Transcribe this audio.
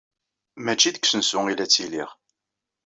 Maci deg usensu ay la ttiliɣ.